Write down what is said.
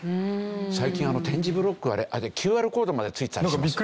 最近点字ブロックあれＱＲコードまで付いてたりしますから。